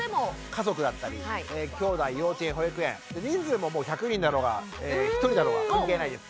家族だったりきょうだい幼稚園保育園人数ももう１００人だろうが１人だろうが関係ないです。